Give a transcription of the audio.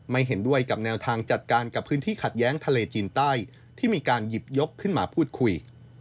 เห็นด้วยกับแนวทางจัดการกับพื้นที่ขัดแย้งทะเลจีนใต้ที่มีการหยิบยกขึ้นมาพูดคุย